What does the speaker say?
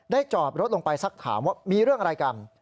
จอบรถลงไปสักถามว่ามีเรื่องอะไรกัน